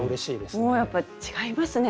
もうやっぱり違いますね